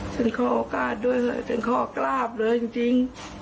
ฉันขอโอกาสด้วยเลยฉันขอกราบเลยจริง